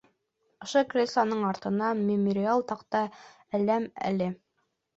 Ошо креслоның артына мемориаль таҡта әләм әле!